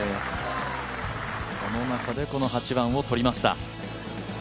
その中でこの８番を取りました。